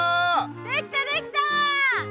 できたできた！